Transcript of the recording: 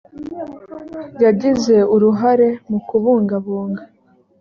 yagize uruhare mu kubungabunga